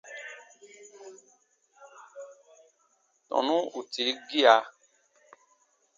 Tɔnu ù tii gia.